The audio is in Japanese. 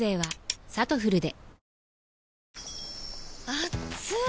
あっつい！